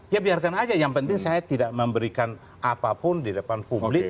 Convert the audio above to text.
ya biarkan aja yang penting saya tidak memberikan apapun di depan publik